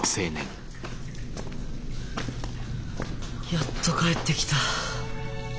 やっと帰ってきた。